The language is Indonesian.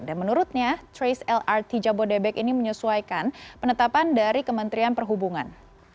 dan menurutnya trace lrt jabodebek ini menyesuaikan penetapan dari kementerian perhubungan